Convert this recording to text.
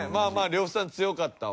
呂布さん強かったわ。